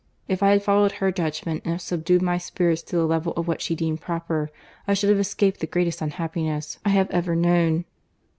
If I had followed her judgment, and subdued my spirits to the level of what she deemed proper, I should have escaped the greatest unhappiness I have ever known.